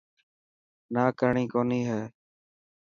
نا ڪرڻي ڪونهي هي.